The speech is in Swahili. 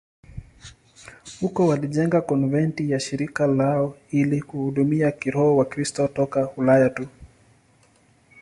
Huko walijenga konventi ya shirika lao ili kuhudumia kiroho Wakristo toka Ulaya tu.